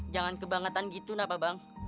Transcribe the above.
jangan kebangetan gitu napa bang